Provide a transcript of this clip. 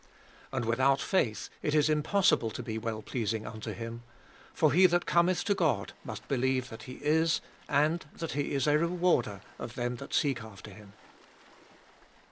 6. And without faith it is impossible to be well pleasing unto him: for he that cometh to God must believe that he is, and that he is a rewarder of them that seek after him.